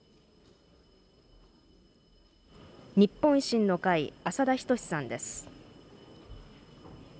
日本維新の会、浅田均さんです。